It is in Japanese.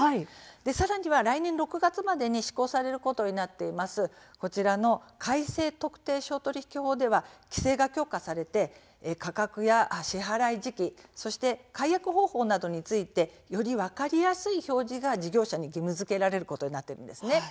さらには来年６月までに施行されることになっている改正特定商取引法では規制が強化されて価格や支払い時期解約方法などについてより分かりやすい表示が事業者に義務づけられることになっています。